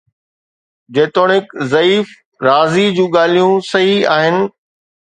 جيتوڻيڪ ضعيف، رازي جون ڳالهيون صحيح آهن